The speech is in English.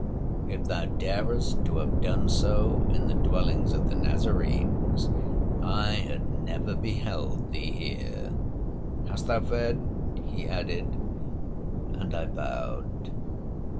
If thou daredst to have done so in the dwellings of the Nazarenes, I had never beheld thee here. Hast thou fed?' he added, and I bowed.